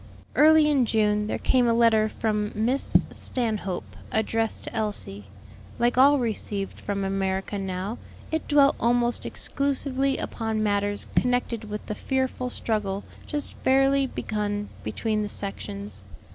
Early in June there came a letter from Miss Stanhope, addressed to Elsie. Like all received from America now, it dwelt almost exclusively upon matters connected with the fearful struggle just fairly begun between the sections.